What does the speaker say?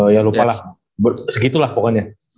ya lupa lah segitulah pokoknya